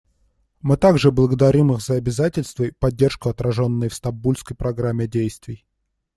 Мы также благодарим их за обязательства и поддержку, отраженные в Стамбульской программе действий.